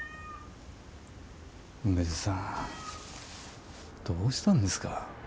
梅津さんどうしたんですか。